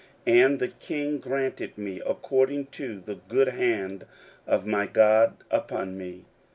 And the king granted me, according to the good hand of my God upon me.